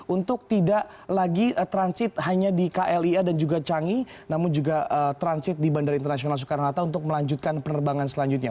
untuk tidak lagi transit hanya di klia dan juga changi namun juga transit di bandara internasional soekarno hatta untuk melanjutkan penerbangan selanjutnya